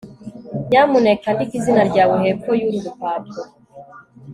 nyamuneka andika izina ryawe hepfo yuru rupapuro